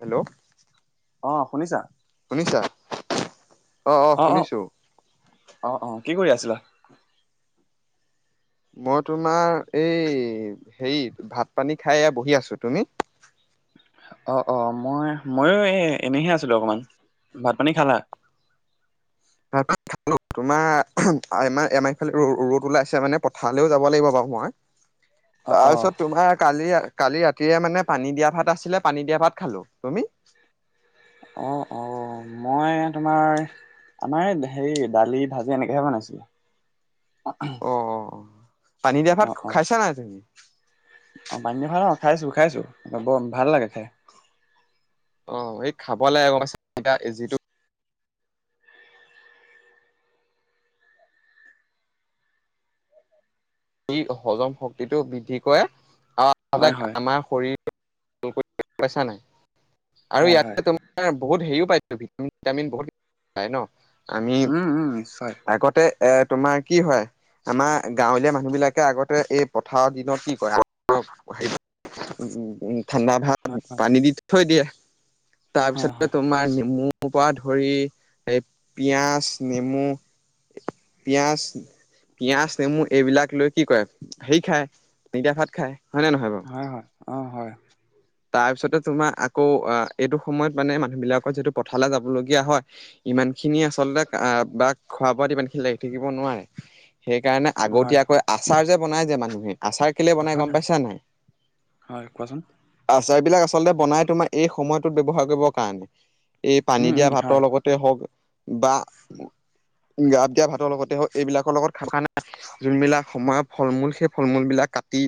Hello. অ', শুনিছা? শুনিছা? অ', অ', শুনিছো। অ', অ', কি কৰি আছিলা? মই তোমাৰ এই হেৰি ভাত-পানী খাই বহি আছো। তুমি? অ', অ', মই, মইয়ো এই এনেহে আছিলো। ভাত-পানী খালা? [unintelligible] তোমাৰ আম আমাহফালে ৰ'দ ওলাইছে, মানে পথাৰলৈও যাব লাগিব বাৰু মই। অ অ তাৰপিছত তোমাৰ কালি কালি ৰাতিযৰে মানে পানী দিয়া ভাত আছিলে, পানী দিয়া ভাত খালো। তুমি? অ', অ', মই তোমাৰ আমাৰ হেৰি দালি, ভাজি এনেকাহে বনাইছে। অ অ অ পানী দিয়া ভাত খাইছা নাই তুমি? অ', পানী দয়া ভাত খাইছো খাইছো, বৰ ভাল লাগে খাই। অ', এই খাবলৈ গম পাইছ' যিটো হজম শক্তিটো বৃদ্ধি কৰে, আৰু হয় হয় আমাৰ শৰীৰ [unintelligible] আৰু হয় ই হয় বহুত হেৰিও পাইছো, ভিটামিন চিটামিন বহুত পাই নহ? আমি উম উম নিশ্চয় আগতে এ তোমাৰ কি হয়, আমাৰ গাঁৱলীয়া মানুহ মানুহবিলাকে আগতে পথাৰৰ দিনত কি কৰে, [unintelligible] ঠাণ্ডা ভাত হয় পানী দি থৈ দিয়ে, হয় তাৰপিছতে হয় তোমাৰ নেমু মোৰ পৰা ধৰি এই পিয়াজ, নেমু পিয়াজ, পিঁয়াজ, নেমু এইবিলাক লৈ কি কৰে হেৰি খায়, পানী দিয়া ভাত খায় হয় নে নহয় বাৰু। হয়, হয়। অ', হয়। তাৰপিছতে তোমাৰ আকৌ, আহ এইটো সময়ত মানে মানুহ বিলাকৰ যিটো পথাৰলে যাবলগীয়া হয় ইমান খিনি আচলতে বা খোৱা বোৱাত ইমান খিনি লাগি থাকিব নোৱাৰে। সেইকাৰণে হয় আগতীয়াকৈ আচাৰ যে বনাই যে মানুহে, আচাৰ কেলে বনাই হয় হয় গম পাইছা নাই? হয়, কোৱাচোন। আচাৰ বিলাক আচলতে বনাই তোমাৰ, এই সময়তোত ব্যৱহাৰ কৰিবৰ কাৰণে। এই পানী উম উম দিয়া ভাতৰ হয় লগত হওক বা [unintelligible] দিয়া ভাতৰ লগতে হওক, এইবিলাকৰ লগত খ খানা যোনবিলাক সময়ৰ ফল-মূল, সেই ফল-মূল বিলাক কাটি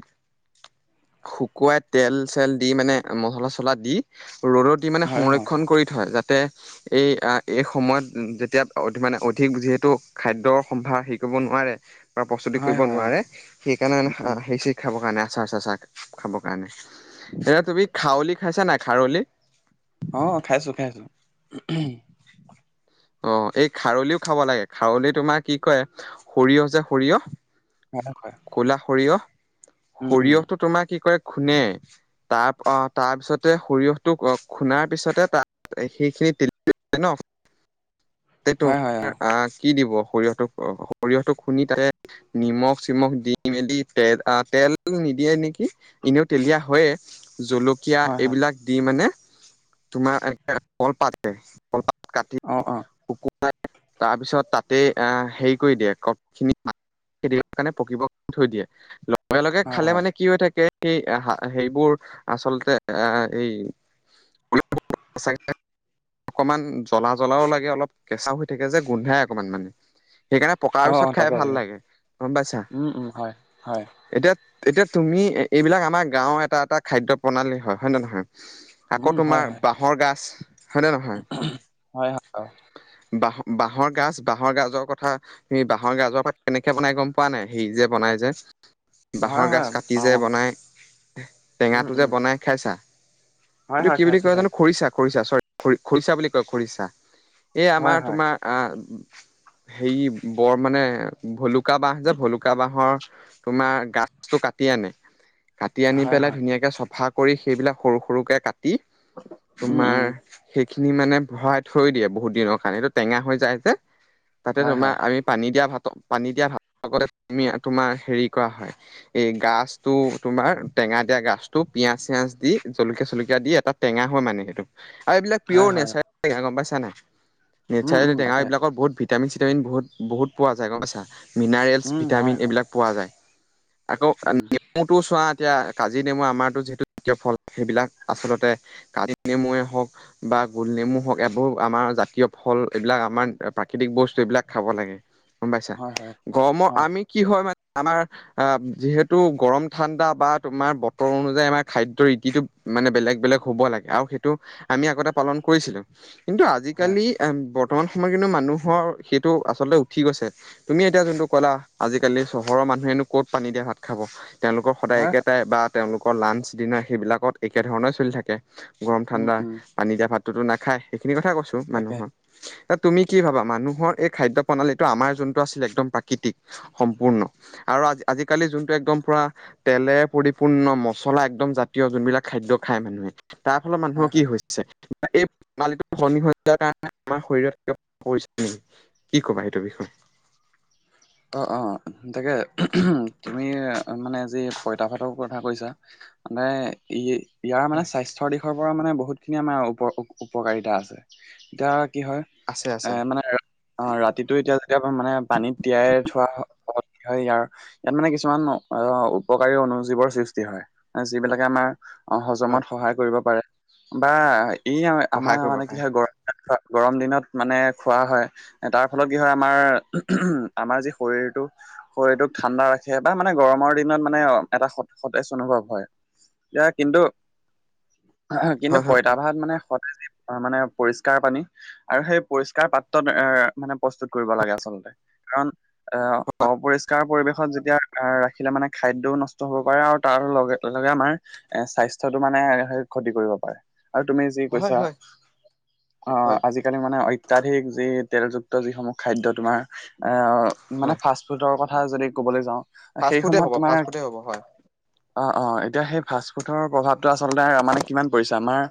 শুকুৱাই তেল চেল দি মানে, মচলা চচলা দি ৰ'দত দি মানে হয় হয় সংৰক্ষণ কৰি থয়। যাতে এই এই সময়ত যেতিয়া মানে, অধিক যিহেতু খাদ্যৰ সম্ভাৰ হেৰি কৰিব নোৱাৰে প্ৰস্তুতি হয় হয় কৰিব হয় অ নোৱাৰে, সেই কাৰণে উম হে চেৰি খাব কাৰণে আচাৰ-চাচাৰ খাবৰ কাৰণে। এতিয়া তুমি খাউলি খাইছা নাই, খাৰলি? অ, খাইছো খাইছো [unintelligible] অ, এই খাৰলিও খাব লাগে, খাৰলি তোমাৰ কি কয়, সৰিয়হ যে সৰিয়হ হয় হয় ক'লা সৰিয়হ উম, উম, সৰিয়হটো তোমাৰ কি কৰে খুনে তাৰ অ, তাৰ পিছতে সৰিয়হটো খুন্দাৰ পিছতে তাত, সেইখিনি তে তাতে হয়, হয়, অ', তোমাৰ আহ কি দিব, সৰিয়হটোক, সৰিয়হটোক খুন্দি তাতে নিমখ-চিমখ দি মেলি তেল, তেল নিদিয়ে নেকি? এনেও তেলীয়া হয়ে জুলক কিয়, হয়, হয়, এইবিলাক দি মানে তোমাৰ ক'ল পাতে অ', অ, শুকাই, তাৰপিছত তাতেই আহ হেৰি কৰি দিয়ে ক, খিনি [unintelligible] কাৰণে পকিব থৈ দিয়ে, লগে লগে হয়, খালে হয়, মানে কি হৈ থাকে। সেই সেইবোৰ আচলতে, আহ এই [unintelligible] অকনমান জ্বলা জ্বলাও লাগে, অলপ কেঁচা হৈ থাকে। যে গোন্ধাই অকনমান মানে সেইকাৰণে পকাৰ অ', অ', পিছত খাই তাকে, ভাল তাকে, লাগে, গম পাইছা। উম, উম, হয়, হয়, এতিয়া-এতিয়া তুমি এইবিলাক আমাৰ গাঁওৰ এটা, এটা খাদ্য প্ৰণালী হয়, হয়ে নে নহয়। উম, আকৌ হয়, তোমাৰ হয়, বাঁহৰ গছ হয় নে নহয়? হয়, হয়। বাঁহ- বাঁহৰ গাজ বাঁহৰ গাজৰ কথা [unintelligible] বাঁহৰ গাজৰ পাত কেনেকে বনাই, গম পোৱা নে নাই হেৰিত যে বনাই যে হয়, বাঁহৰ গাজ হয়, কাটি পাওঁ, যে অ', বনাই, উম, টেঙাটো যে উম, বনায়। খাইছা, হয়, এইটো হয়, কি বুলি খাইছোঁ, কয়‌ জানো, খাইছোঁ, খৰিচা খৰিচা, চৰি খৰি-খৰিচা বুলি কয় খৰিচা এই হয়, আমাৰ হয়, তোমাৰ হেই, বৰ মানে ভলুকা বাহ যে ভলুকা বাহৰ তোমাৰ গাঠটো কাটি আনে। কাটি আনি হয়, পেলাই হয়, ধুনীয়াকৈ চফা কৰি, সেইবিলাক সৰু সৰুকৈ কাটি, উম, উম, তোমাৰ সেইখিনি মানে ভৰাই থৈ দিয়ে, বহুত দিনৰ কাৰণে সেইটো টেঙা হৈ যায় যে। তাতে হয়, তোমাৰ হয়, আমি পানী দিয়া ভাত, পানী দিয়া ভাত লগতে, আমি তোমাৰ হেৰি কৰা হয়। এই গাছতো, তোমাৰ টেঙা দিয়া, গাছতটো পিয়াজ চিয়াজ দি জলকীয়া চলকীয়া দি এটা টেঙা হয়, মানে সেইটো আৰু এইবিলাক হয়, পিয়ৰ হয়, নেচা'ৰেলি টেঙা গম পাইা নাই, উম, নেচাৰেল উম, টেঙা তাকে, এইবাকৰ বহুত ভি ভিটামিন-চিটামিন বহুত বহুত পোৱা যায় গম পাইছা, মিনাৰেলছ উম, হয়, ভিটামিন হয়, এইবিলাক পোৱা যায়। আকৌ উম, নেমুটো চোৱা, এতিয়া কাজি নেমু আমাৰতো যিহেতু দ্বিতীয় ফল, সেইবিলাক আচলতে কাজি নেমুয়ে হ'ওক। বা গোলনেমু হ'ওক এইবোৰ আমাৰ জাতীয় ফল, এইবিলাক আমাৰ প্ৰাকৃতিক বস্তু এইবিলাক খাব লাগে। গম পাইছা, হয়, হয়, গৰমত হয়, আমি কি হয় মানে-আমাৰ আ, যিহেতু গৰম ঠাণ্ডা বা তোমাৰ বতৰ অনুযায়ী আমাৰ খাদ্য ৰীতিটো মানে বেলেগ বেলেগ হ'ব লাগে, আৰু সেইটো আমি আগতে পালন কৰিছিলো, কিন্তু হয়, আজিকালি ব বৰ্তমান সময় কিন্তু মানুহৰ সেইটো, আচলতে উঠি গৈছে। তুমি এতিয়া যোনটো ক'লা, আজিকালি চহৰৰ মানুহেনো ক'ত পানী দিয়া ভাত খাব তেওঁলোকৰ সদায় হয়, একেটাই বা তেওঁলোকৰ লাঞ্চ ডিনাৰ সেইবিলাকত একেধৰণে চলি থাকে, গৰম উম, ঠাণ্ডা। উম, পানী দিয়াতটো নাখায়, সেইখিনি কথা কৈছো তাকে, মানুহৰ। এ, তুমি কি ভাবা মানুহৰ এই খাদ্য প্ৰণালীটো আমাৰ যোনটো আছিলে একদম প্ৰাক তিক, সম্পূৰ্ণ আৰু আজি-আজিকালি যোনটো একদম পুৰা তেলে পৰিপূৰ্ণ মছলা একদম জাতীয় যোনবিলাক খাদ্য খায় মানুহে, তাৰ ফালত মানুহৰ হয়, কি হয়, হৈছে? এই প্ৰণালী খনি হৈ যাৰ কাৰণে আমাৰ শৰীৰত পৰিছে নেকি কি ক'বা? এইটোৰ বিষয়ে। অ, অ, তাকে তুমি মানে যি পঁইতা ভাতৰ কথা কৈছা। মানে, এই এ ইয়াৰ মানে স্বাস্থ্যৰ দিশৰ পৰা মানে বহুতখিনি আমাৰ উপ- উপকাৰিতা আছে, এতিয়া কি হয় আছে এ আছে মানে অ', ৰাতিটো এতিয়া যেতিয়া মানে পানীত তিয়াই থোৱা হয় ইয়াক ইয়াত মানে কিছুমান আহ উপকাৰী অনুজীৱৰ সৃষ্টি হয়, যিবিলাকে আমাৰ অ', হজমত হয় সহায় কৰিব পাৰে বা ই আমাৰ সহায় কৰিব মানে কি পাৰে হয়, গ গৰম দিনত মানে খোৱা হয়, তাৰ ফলত কি হয় আমাৰ আমাৰ যি শৰীৰটো শৰীৰটোক ঠাণ্ডা ৰাখে বা মানে গৰমৰ দিনত মানে এটা সতেজ অনুভৱ হয়। এয়া কিন্তু, কিন্তু হয় প হয় পইতা ভাত মানে, সদায় মানে পৰিষ্কাৰ পানী আৰু সেই পৰিস্কাৰ পাত্ৰত এ মানে, প্ৰস্তুত কৰিব লাগে আচলতে। কাৰণ অপৰিষ্কাৰ অপৰিষ্কাৰ পৰিৱেশত যেতিয়া আহ ৰাখিলে মানে খাদ্যও নষ্ট হ'ব পাৰে, আৰু তাৰ লগে লগে আমাৰ এ স্বাস্থ্যটো মানে ক্ষতি কৰিব পাৰে। আৰু তুমি যি হয় কৈছা, হয় অ' হয় আজি আজিকালি মানে অত্যাধিক যি, তেলযুক্ত যিসমূহ খাদ্য তোমাৰ আহ মানে হয়। ফাষ্ট ফুডৰ কথা যদি ক'বলৈ যাওঁ ফাষ্টফুডে সেইসমূহত হব, তোমাৰ ফাষ্টফুডে হব, হয়। অ', অ', এতিয়া সেই ফাষ্টফুডৰ প্ৰভাৱটো আচলতে মানে কিমান পৰিছে, আমাৰ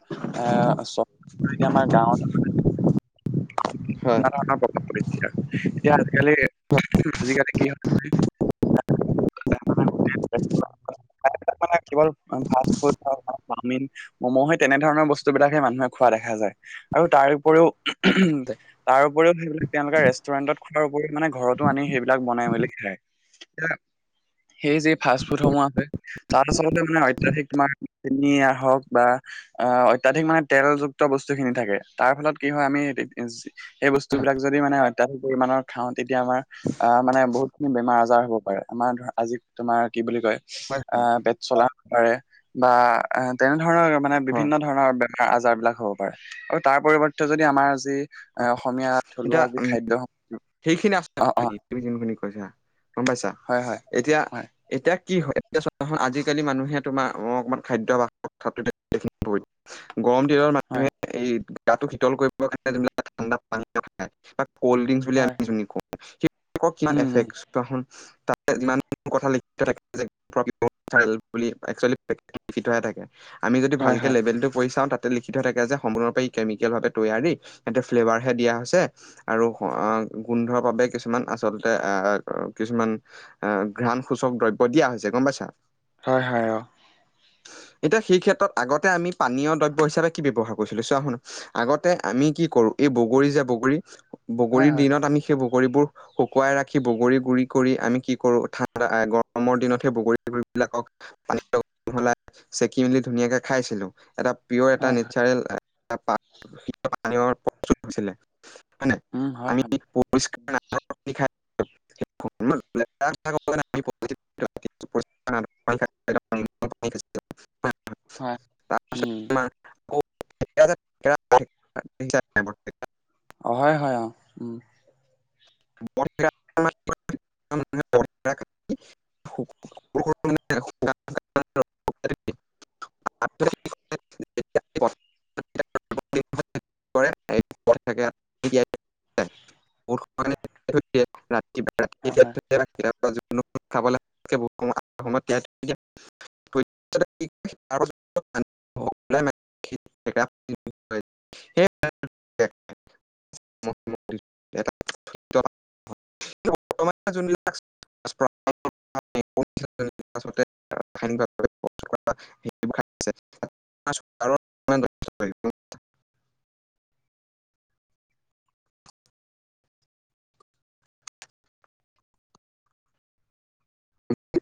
এ [unintelligible] আমাৰ গাঁৱত [unintelligible] হয়। এতিয়া আজিকালি, আজিকালি কি হয় [unintelligible] [unintelligible] মানে কেৱল ফাষ্ট ফুড, চাওমিন ম'ম' সেই তেনেধৰণৰ বস্তু বিলাকে মানুহে খোৱা দেখা যায়, আৰু তাৰ উপৰিও তাৰ উপৰিও সেইবিলাক তেওঁলোকে ৰেষ্টুৰেন্টত [unintelligible] উপৰি মানে ঘৰতো আনি সেইবিলাক বনাই মেলি খায়, এয়া সেই যে ফাষ্ট ফুড সোমোৱা হয় তাত আচলতে মানে অত্যাধিক তোমাৰ [unintelligible] হওক বা আহ অত্যাধিক মানে তেলযুক্ত বস্তু খিনি থাকে, তাৰ ফলত কি হয় আমি সেই বস্তু বিলাক যদি মানে, অত্যাধিক ইমানৰ খাওঁ তেতিয়া আমাৰ আহ মানে বহুতখিনি বেমাৰ আজাৰ হ'ব পাৰে, আমাৰ ধৰা আজি তোমাৰ কি বুলি কয় হয় হয় আহ পেট জলাব পাৰে বা এ তেনেধৰণৰ মানে হয় বিভিন্ন ধৰণৰ আজাৰ বিলাক হ'ব পাৰে, আৰু তাৰ পৰিৱৰ্তে যদি আমাৰ আজি এ অসমীয়া এতিয়া থলুৱা যি খাদ্য সেইখিনি অ অ [unintelligible] কৈছা গম পাইছা, হয় হয় এতিয়া হয় এতিয়া কি হয়, আজিকালি মানুহে তোমাৰ অ' অকমান খাদ্য বা [unintelligible] গৰম দিনত হয় মানুহে এই গাটো শীতল কৰিব কাৰণ [unintelligible] কলডিং বুলি হয় সেই [unintelligible] উম উম [unintelligible] আমি যদি হয় ভালকে হয় লেভেল টো পঢ়ি চাওঁ তাতে লিখা থাকে যে, সম্পূৰ্ণৰূপ ই কেমিকেল ভাৱে তৈয়াৰী। এতে ফ্লেভাৰ হে দিয়া হৈছে। আৰু গোন্ধৰ বাবে কিছুমান, আচলতে আহ কিছুমান আহ ঘ্ৰাণ সূচক দ্ৰব্য দিয়া হৈছে গম পাইছা? হয়, হয়, অ'। এতিয়া সেই ক্ষেত্ৰত আগতে আমি পানীয় দ্ৰব্য হিচাপে কি ব্যৱহাৰ কৰিছিলো, চোৱা শুনা আগতে আমি কৰো এই বগৰী যে বগৰী, হয় বগৰীৰ হয় দিনত আমি সেই বগৰীবোৰ শুকুৱাই ৰাখি বগৰীৰ গুৰি কৰি আমি কি কৰো, ঠাণ্ডা গৰমৰ দিনতহে বগৰী গুৰিবিলাকক [unintelligible] চেকি মেলি ধুনীয়াকে খাইছিলো, এটা পিয় এটা হয় হয় নেচাৰেল [unintelligible] পান ছিলে হয়নে উম হয় আমি হয় [unintelligible] [unintelligible] হয় উম। বৰ্তমান স [unintelligible] হয় হয়, অ', উ। ব [unintelligible] অ [unintelligible] [unintelligible] ৰাতি হয় হয় ৰাতি [unintelligible] যিকোনো [unintelligible] [unintelligible] যোনবিলাক [unintelligible] আ [unintelligible] ফাইন খাদ্য আছে।